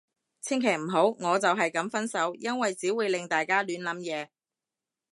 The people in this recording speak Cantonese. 千祈唔好，我就係噉分手。因為只會令大家亂諗嘢